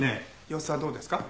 様子はどうですか？